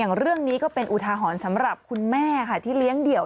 เรื่องนี้ก็เป็นอุทาหรณ์สำหรับคุณแม่ค่ะที่เลี้ยงเดี่ยว